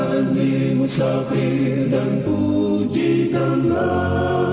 angkatlah diri dan bunyikanlah